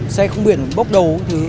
xe không biển bốc đầu